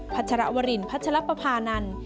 ัชรวรินพัชรปภานันทร์